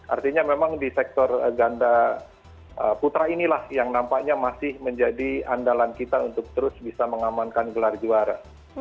artinya memang di sektor ganda putra inilah yang nampaknya masih menjadi andalan kita untuk terus bisa mengamankan gelar juara